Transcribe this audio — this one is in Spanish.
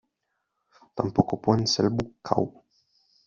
Tampoco pueden ser buscados.